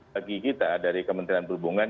bagi kita dari kementerian perhubungan